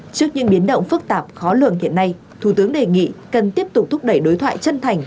trước những biến động phức tạp khó lường hiện nay thủ tướng đề nghị cần tiếp tục thúc đẩy đối thoại chân thành